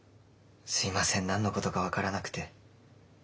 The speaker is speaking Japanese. すいません何のことか分からなくて。